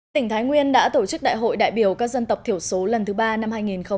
tỉnh thái nguyên đã tổ chức đại hội đại biểu các dân tộc thiểu số lần thứ ba năm hai nghìn hai mươi